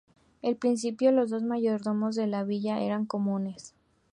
En principio, los dos mayordomos de la villa eran comunes.